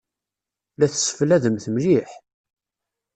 La tesseflademt mliḥ?